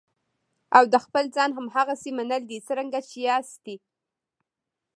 او د خپل ځان هماغسې منل دي څرنګه چې یاستئ.